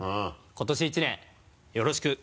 今年１年よろしく。